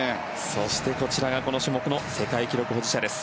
そして、こちらがこの種目の世界記録保持者です。